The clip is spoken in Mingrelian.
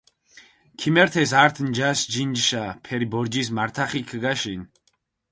ქიმერთეს ართი ნჯაში ჯინჯიშა, ფერი ბორჯისჷ მართახიქჷ ქჷგაშინჷ.